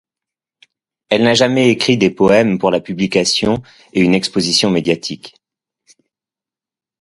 Elle n'a jamais écrit des poèmes pour la publication et une exposition médiatique.